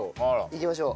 いきましょう。